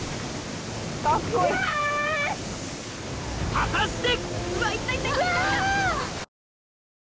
果たして！